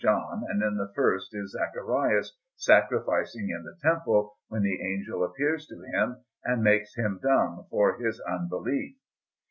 John, and in the first is Zacharias sacrificing in the Temple, when the Angel appears to him and makes him dumb for his unbelief.